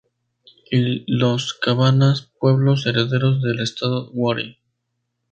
Y los cabanas, pueblos herederos del estado Wari.